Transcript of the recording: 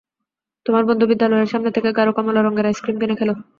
তোমার বন্ধু বিদ্যালয়ের সামনে থেকে গাঢ় কমলা রঙের আইসক্রিম কিনে খেল।